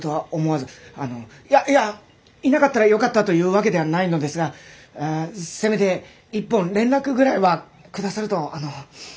あのいやいやいなかったらよかったというわけではないのですがせめて一本連絡ぐらいは下さるとあの。